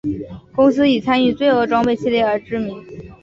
公司以参与罪恶装备系列而知名。